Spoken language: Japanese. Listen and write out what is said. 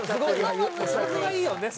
そこがいいよね